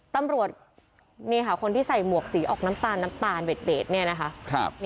ตำรวจนี่ค่ะคนที่ใส่หมวกสีออกน้ำตาลน้ำตาลเบสเนี่ยนะคะ